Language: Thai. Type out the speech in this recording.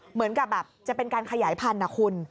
เหมือนกับแบบจะเป็นการขยายพันธุ์นะคุณ